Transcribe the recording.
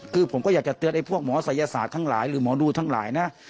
คือผมก็อยากจะเตือนไอ้พวกหมอศัยศาสตร์ทั้งหลายหรือหมอดูทั้งหลายนะ